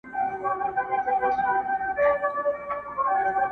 ماسومانو په ځیر ځیر ورته کتله,